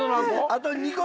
あと何個？